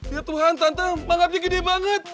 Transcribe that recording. ya tuhan tante mangapnya gede banget